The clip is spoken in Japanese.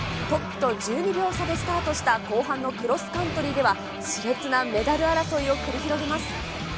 トップと１２秒差でスタートした後半のクロスカントリーでは、しれつなメダル争いを繰り広げます。